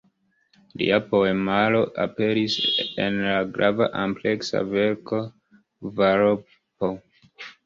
Lia poemaro aperis en la grava ampleksa verko "Kvaropo".